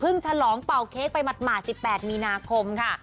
ฉลองเป่าเค้กไปหมาด๑๘มีนาคมค่ะ